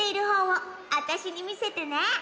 あたしにみせてね。